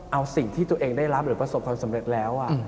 เอาสิ่งที่ตัวเองได้รับหรือประสบความสำเร็จแล้ว